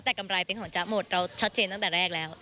แต่กำไรเป็นของจ๊ะหมดเราชัดเจนตั้งแต่แรกแล้ว